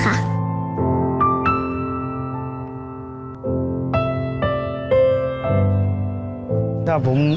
ถ้าผมนิดนึงผมจะไม่อยากให้แม่เดิน